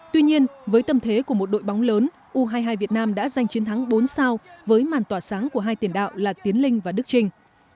tuy nhiên với tâm thế của một đội bóng lớn u hai mươi hai việt nam đã giành chiến thắng bốn sao với màn tỏa sáng của hai tiền đạo là tiến linh và đức trinh